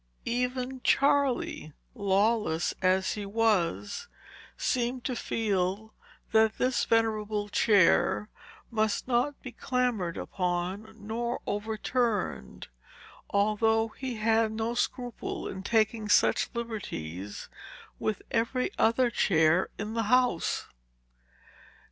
Even Charley, lawless as he was, seemed to feel that this venerable chair must not be clambered upon nor overturned, although he had no scruple in taking such liberties with every other chair in the house.